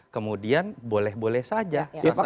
kemudian boleh boleh saja